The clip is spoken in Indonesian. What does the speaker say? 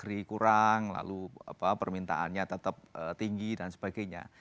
kurang lalu permintaannya tetap tinggi dan sebagainya